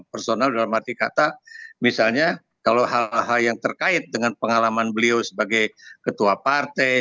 personal dalam arti kata misalnya kalau hal hal yang terkait dengan pengalaman beliau sebagai ketua partai